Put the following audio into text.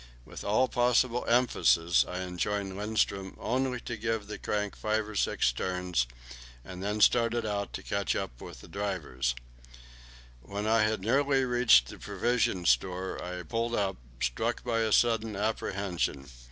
With all possible emphasis I enjoined Lindström only to give the crank five or six turns, and then started off to catch up the drivers. When I had nearly reached the provision store I pulled up, struck by a sudden apprehension.